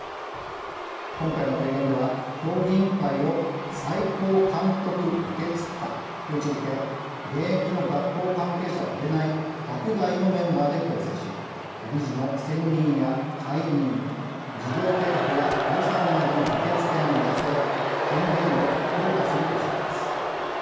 今回の提言では、評議員会を最高監督・議決機関と位置づけ現役の学校関係者を入れない学外のメンバーで構成し理事の選任や解任事業計画や予算などの議決権を持たせ権限を強化するとしています。